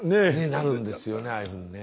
なるんですよねああいうふうにね。